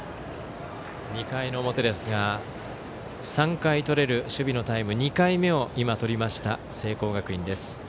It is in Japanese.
２回の表ですが３回とれる守備のタイム２回目を今とりました、聖光学院。